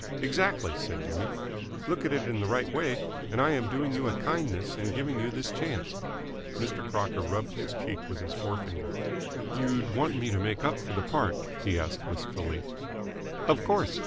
"Exactly," said Jimmy. "Look at it in the right way, and I am doing you a kindness in giving you this chance." Mr. Crocker rubbed his cheek with his forefinger. "You'd want me to make up for the part?" he asked wistfully. "Of course!"